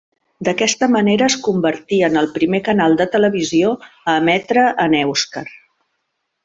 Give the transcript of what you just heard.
D'aquesta manera es convertí en el primer canal de televisió a emetre en èuscar.